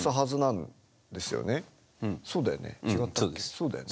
そうだよね？